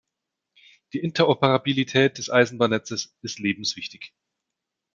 Die Interoperabilität des Eisenbahnnetzes ist lebenswichtig.